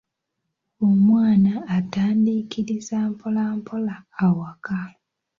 Omwana atandiikiriza mpolampola awaka.